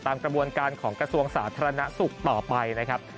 กระบวนการของกระทรวงสาธารณสุขต่อไปนะครับ